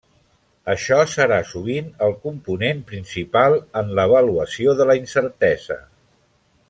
Això serà sovint el component principal en l'avaluació de la incertesa.